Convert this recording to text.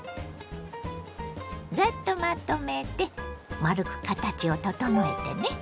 ざっとまとめて丸く形を整えてね。